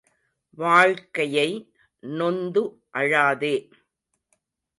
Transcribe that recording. வாழ்க்கையை நொந்து அழாதே!